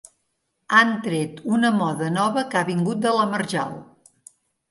Han tret una moda nova que ha vingut de la marjal.